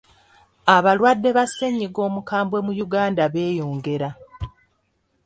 Abalwadde ba ssennyiga omukambwe mu Uganda beeyongera.